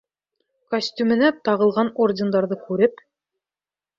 Костюменә тағылған ордендәрҙе күреп: